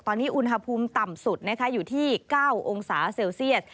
ตอนนี้อุณหภูมิต่ำสุดอยู่ที่๙องศาเซลเซียส